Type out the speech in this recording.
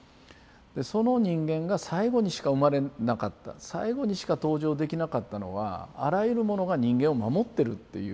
その人間が最後にしか生まれなかった最後にしか登場できなかったのはあらゆるものが人間を守ってるっていう。